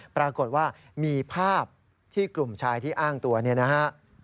ปรากฏว่ามีภาพที่กลุ่มชายที่อ้างตัวเนี่ยนะฮะ